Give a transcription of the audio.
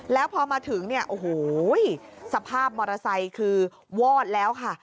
แล้วพอมาถึงเนี่ยโอ้โหสภาพมอเตอร์ไซค์คือวอดแล้วค่ะ